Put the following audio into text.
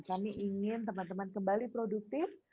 kami ingin teman teman kembali produktif